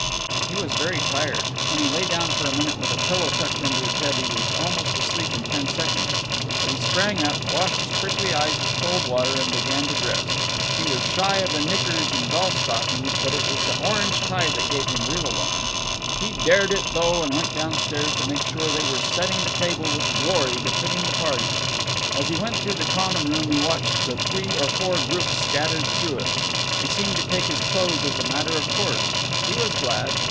He was very tired. When he lay down for a minute, with a pillow tucked over his head, he was almost asleep in ten seconds. But he sprang up, washed his prickly eyes with cold water, and began to dress. He was shy of the knickers and golf stockings, but it was the orange tie that gave him real alarm. He dared it, though, and went downstairs to make sure they were setting the table with glory befitting the party. As he went through the common room he watched the three or four groups scattered through it. They seemed to take his clothes as a matter of course. He was glad.